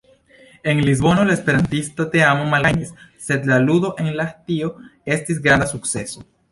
En Lisbono la esperantista teamo malgajnis, sed la ludo en Lahtio estis granda sukceso.